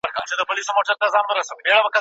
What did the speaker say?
.د تهمتونو سنګسارونو شور ماشور تر کلي